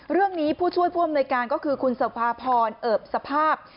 เรื่องนี้ผู้ช่วยพรวมรายการก็คือคุณสภาพรเอิบสภาพ